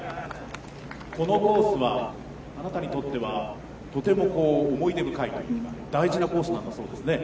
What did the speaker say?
このコースはあなたにとっては、とても思い出深いというか、大事なコースなんだそうですね。